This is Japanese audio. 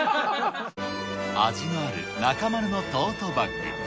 味のある中丸のトートバッグ。